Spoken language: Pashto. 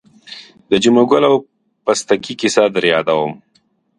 د جمعه ګل او پستکي کیسه در یادوم.